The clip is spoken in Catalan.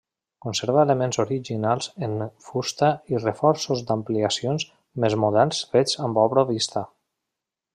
Conserva elements originals en fusta i reforços d'ampliacions més moderns fets amb obra vista.